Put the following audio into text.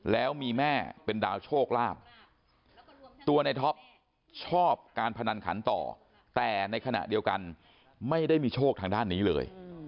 แล้วมีแม่เป็นดาวโชคลาภตัวในท็อปชอบการพนันขันต่อแต่ในขณะเดียวกันไม่ได้มีโชคทางด้านนี้เลย